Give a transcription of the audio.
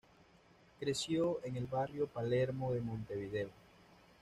Creció en el barrio Palermo de Montevideo.